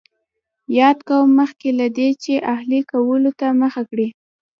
یاد قوم مخکې له دې چې اهلي کولو ته مخه کړي